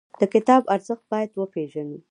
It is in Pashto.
د کتاب ارزښت باید وپېژنو.